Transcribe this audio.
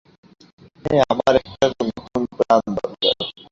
হ্যা, আমার একটা নতুন প্ল্যান দরকার।